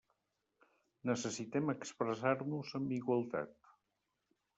Necessitem expressar-nos amb igualtat.